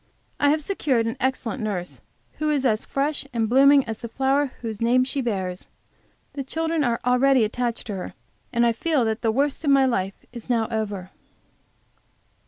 I have secured an excellent nurse, who is as fresh and blooming as the flower whose name she bears. The children are already attached to her, and I feel that the worst of my life is now over.